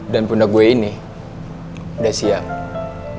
dan pundak gue ini udah siap